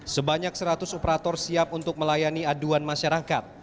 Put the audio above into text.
sebanyak seratus operator siap untuk melayani aduan masyarakat